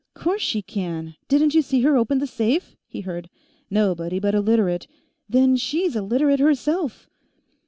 "... Course she can; didn't you see her open the safe?" he heard. "... Nobody but a Literate " "Then she's a Literate, herself!"